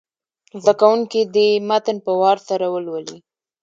زده کوونکي دې متن په وار سره ولولي.